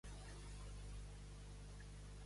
Al sant de son propi nom deu venerar-lo tothom.